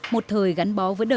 một thời gắn bó với nước